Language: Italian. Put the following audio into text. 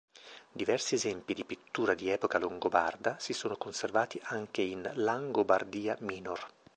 Diversi esempi di pittura di epoca longobarda si sono conservati anche in "Langobardia Minor".